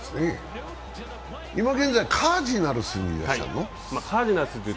今現在、カージナルスにいらっしゃるの？